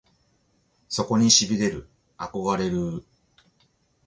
そこに痺れる憧れるぅ！！